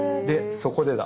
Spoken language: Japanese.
そこでだ。